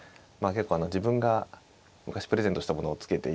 結構あの自分が昔プレゼントしたものを着けていて。